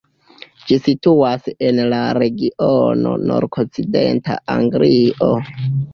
Ĝi situas en la regiono nordokcidenta Anglio.